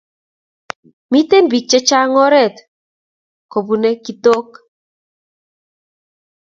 Miten pik che chang oret kopure kitok